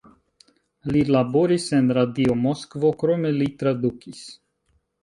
Li laboris en Radio Moskvo, krome li tradukis.